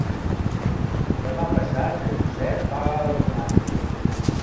Demà passat en Josep va a la Romana.